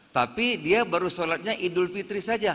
tapi dia baru sholatnya idul fitri saja